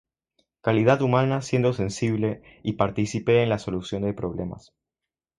Calidad humana siendo sensible y participe en la solución de problemas.